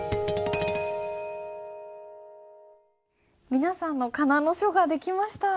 皆さんの仮名の書が出来ました。